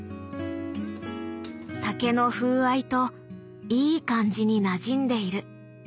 竹の風合いといい感じになじんでいる。